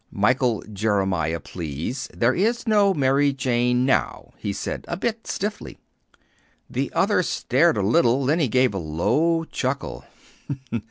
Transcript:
"'Michael Jeremiah,' please. There is no 'Mary Jane,' now," he said a bit stiffly. The other stared a little. Then he gave a low chuckle.